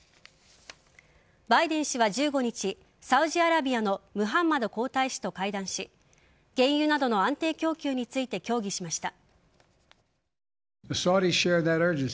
バイデン氏は１５日サウジアラビアのムハンマド皇太子と会談し原油などの安定供給について協議しました。